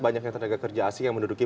banyaknya tenaga kerja asing yang menduduki